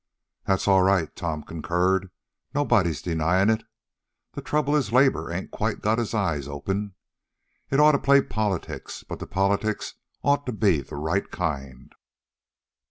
"That's all right," Tom concurred. "Nobody's denyin' it. The trouble is labor ain't quite got its eyes open. It ought to play politics, but the politics ought to be the right kind."